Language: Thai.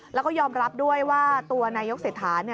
แล้วก็ยอมรับด้วยว่าตัวนายกเศรษฐา